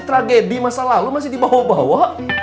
tragedi masa lalu masih dibawa bawa